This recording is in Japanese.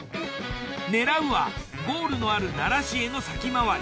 狙うはゴールのある奈良市への先回り。